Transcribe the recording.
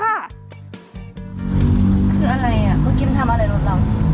คืออะไรบุ๊กกิ้มทำอะไรรถเรา